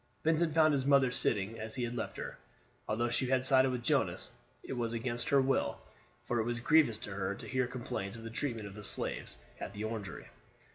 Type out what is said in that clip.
Vincent found his mother sitting as he had left her. Although she had sided with Jonas, it was against her will; for it was grievous to her to hear complaints of the treatment of the slaves at the Orangery.